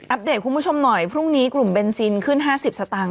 เดตคุณผู้ชมหน่อยพรุ่งนี้กลุ่มเบนซินขึ้น๕๐สตางค